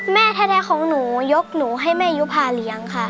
แม่แท้ของหนูยกหนูให้แม่ยุภาเลี้ยงค่ะ